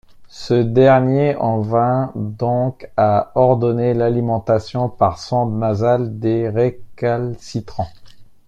Ce dernier en vint donc à ordonner l'alimentation par sondes nasales des récalcitrantes.